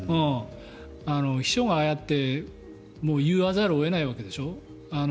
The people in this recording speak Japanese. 秘書がああやって言わざるを得ないわけでしょ。